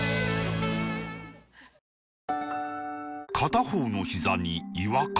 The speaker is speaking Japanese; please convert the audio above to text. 片方のひざに違和感